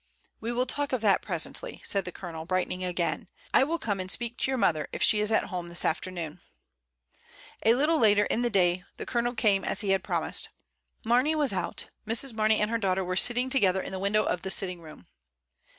"We will talk of that presently," said the Colo nel, brightening again. "I will come and speak to* your mother, if she is at home this afternoon." A little later in the day the Colonel came as he had promised. Mamey was out; Mrs. Mamey and her daughter were sitting together in the window of the sitting room.